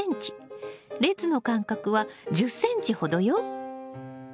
列の間隔は１０ｃｍほどよ。